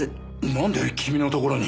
なんで君のところに？